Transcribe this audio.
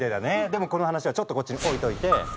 でもこの話はちょっとこっちに置いといて。